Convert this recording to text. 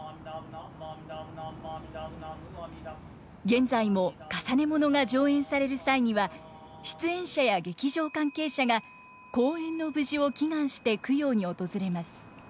現在も累物が上演される際には出演者や劇場関係者が公演の無事を祈願して供養に訪れます。